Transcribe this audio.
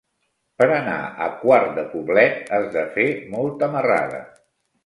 Per anar a Quart de Poblet has de fer molta marrada.